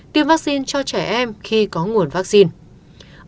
tiêm vaccine cho trẻ em khi có nguồn vaccine